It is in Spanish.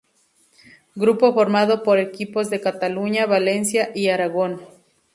Grupo formado por equipos de Cataluña, Valencia y Aragón.